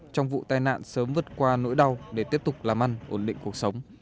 trong vụ tai nạn sớm vượt qua nỗi đau để tiếp tục làm ăn ổn định cuộc sống